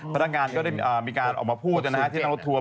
พนักงานก็ได้มีการออกมาพูดที่นั่งรถทัวร์